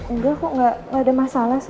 enggak kok gak ada masalah sih